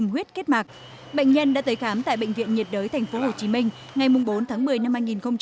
huyết kết mạc bệnh nhân đã tới khám tại bệnh viện nhiệt đới tp hcm ngày bốn tháng một mươi năm hai nghìn hai mươi